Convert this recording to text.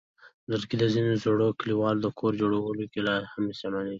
لرګي د ځینو زړو کلیو د کورونو جوړولو کې لا هم استعمالېږي.